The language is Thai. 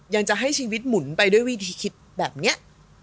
ยังจะให้ชีวิตหมุนไปด้วยวิธีคิดแบบนี้